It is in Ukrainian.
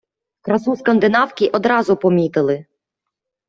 Красу скандинавки одразу помітили.